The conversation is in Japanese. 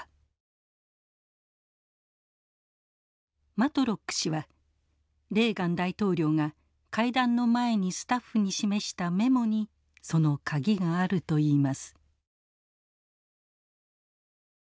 マトロック氏はレーガン大統領が会談の前にスタッフに示したメモにその鍵があるといいます。